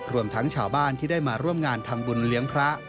รวมทั้งชาวบ้านที่ได้มาร่วมงานทำบุญเลี้ยงพระ